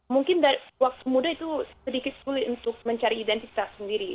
mungkin dari waktu muda itu sedikit sulit untuk mencari identitas sendiri